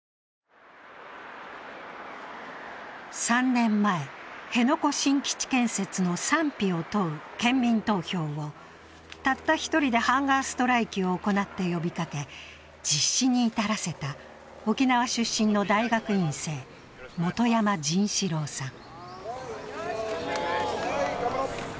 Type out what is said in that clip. ３年前、辺野古新基地建設の賛否を問う県民投票をたった１人でハンガーストライキを行って呼びかけ、実施に至らせた沖縄出身の大学院生、元山仁士郎さん。